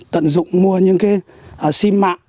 tận dụng mua những cái sim mạng